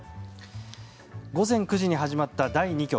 午前９時に始まった第２局。